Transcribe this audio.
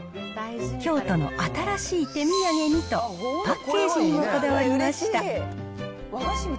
京都の新しい手土産にと、パッケージにもこだわりました。